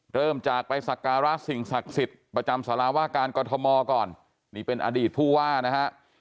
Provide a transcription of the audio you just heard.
เริ่มจากไปสักการะสิ่งศักดิ์สิทธิ์ประจำสารวาการกรทมก่อนนี่เป็นอดีตผู้ว่านะฮะ